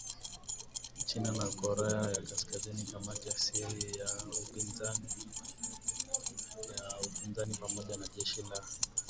China na Korea ya Kaskazini kamati ya siri ya upinzani pamoja na jeshi la